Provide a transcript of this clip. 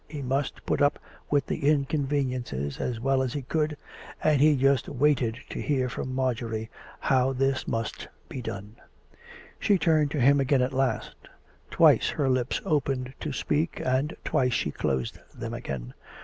He must put up with the inconveniences as well as he could, and he just waited to hear from Marjorie how this must be done. She turned to him again at last. Twice her lips opened to speak, and twice she closed them again.